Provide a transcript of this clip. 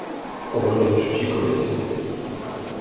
"W obronie czci kobiecej."